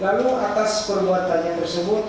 lalu atas perbuatannya tersebut